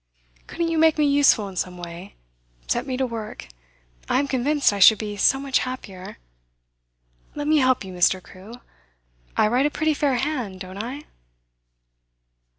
Couldn't you make me useful in some way? Set me to work! I am convinced I should be so much happier. Let me help you, Mr. Crewe. I write a pretty fair hand, don't I?